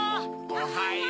おはよう。